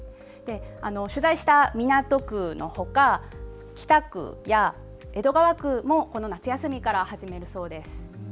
取材した港区のほか北区や江戸川区もこの夏休みから始めるそうです。